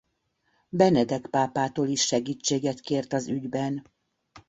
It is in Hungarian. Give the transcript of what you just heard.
Benedek pápától is segítséget kért az ügyben.